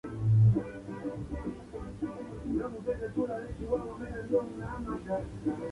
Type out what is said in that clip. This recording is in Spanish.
Las grandes cactáceas están ausentes.